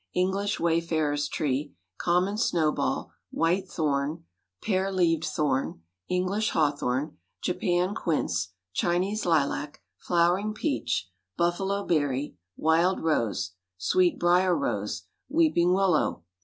English wayfarer's tree. Common snowball. White thorn. Pear leaved thorn. English hawthorn. Japan quince. Chinese lilac. Flowering peach. Buffalo berry. Wild rose. Sweet brier rose. Weeping willow.